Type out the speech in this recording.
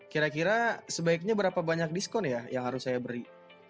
kira kira sebaiknya berapa banyak diskon ya yang harus saya beri